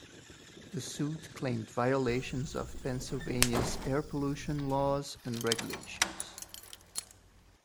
The suit claimed violations of Pennsylvania's air pollution laws and regulations.